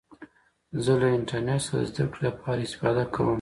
زه له انټرنټ څخه د زدهکړي له پاره استفاده کوم.